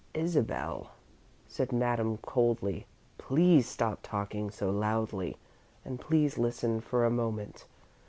"Isabel," said Madame, coldly, "please stop talking so loudly and please listen for a moment.